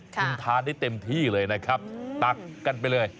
คุณทานได้เต็มที่เลยนะครับตักกันไปเลย